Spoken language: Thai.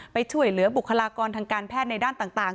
ไปช่วยเหลือบุคลากรทางการแพทย์ในด้านต่าง